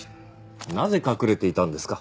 なぜ隠れていたんですか？